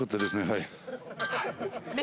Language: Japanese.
はい